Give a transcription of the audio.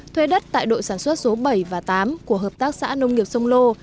thuê đất tại đội sản xuất số bảy và tám của hợp tác xã nông nghiệp sông lô